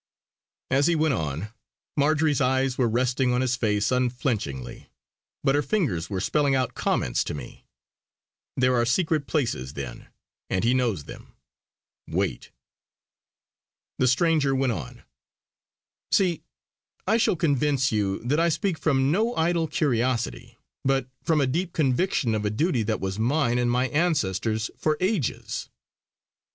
As he went on, Marjory's eyes were resting on his face unflinchingly, but her fingers were spelling out comments to me. "There are secret places, then; and he knows them. Wait" the stranger went on: "See, I shall convince you that I speak from no idle curiosity, but from a deep conviction of a duty that was mine and my ancestors' for ages."